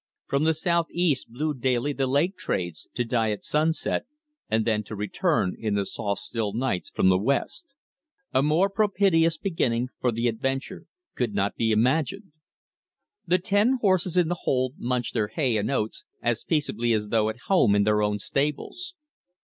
From the southeast blew daily the lake trades, to die at sunset, and then to return in the soft still nights from the west. A more propitious beginning for the adventure could not be imagined. The ten horses in the hold munched their hay and oats as peaceably as though at home in their own stables.